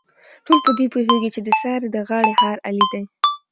ټول په دې پوهېږي، چې د سارې د غاړې هار علي دی.